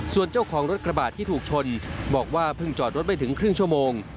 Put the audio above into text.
ส่วนเจ้าของรถกระบาดที่ถูกชนบอกว่าเพิ่งจอดรถไม่ถึงครึ่งชั่วโมง